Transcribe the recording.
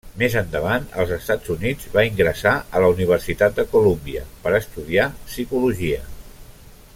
Més endavant, als Estats Units, va ingressar a la Universitat de Colúmbia per estudiar psicologia.